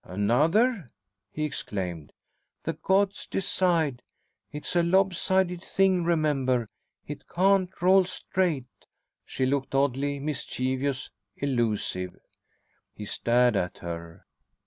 "Another!" he exclaimed. "The gods decide. It's a lob sided thing, remember. It can't roll straight." She looked oddly mischievous, elusive. He stared at her.